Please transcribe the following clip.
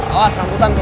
awas rambutan kena